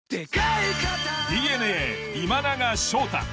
ＤｅＮＡ今永昇太。